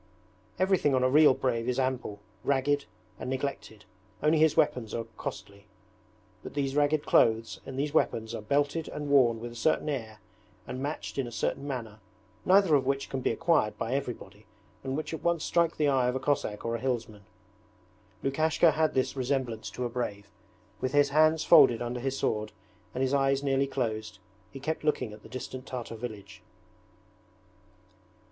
Everything on a real brave is ample, ragged, and neglected, only his weapons are costly. But these ragged clothes and these weapons are belted and worn with a certain air and matched in a certain manner, neither of which can be acquired by everybody and which at once strike the eye of a Cossack or a hillsman. Lukashka had this resemblance to a brave. With his hands folded under his sword, and his eyes nearly closed, he kept looking at the distant Tartar village.